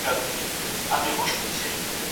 د جنایت په صورت کي سزا ورکول حتمي دي.